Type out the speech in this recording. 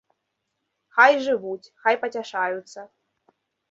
Хай жывуць, хай пацяшаюцца.